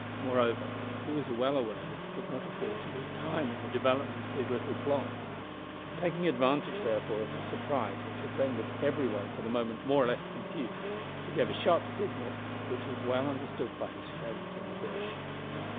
Moreover, he was well aware that he could not afford to lose time in the development of his little plot. Taking advantage, therefore, of the surprise which had rendered every one for the moment more or less confused, he gave a sharp signal which was well understood by his friends in the bush.